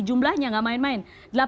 jumlahnya gak main main